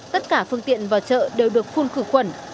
tất cả phương tiện vào chợ đều được phun khử khuẩn